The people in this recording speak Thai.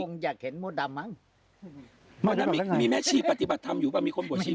เขาคงอยากเห็นโมดำมั้งมีแม่ชีพปฏิบัติธรรมอยู่ป่ะมีคนปวดชีพ